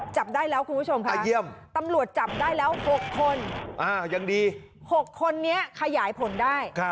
จับได้แล้วคุณผู้ชมค่ะตำรวจจับได้แล้ว๖คนยังดี๖คนนี้ขยายผลได้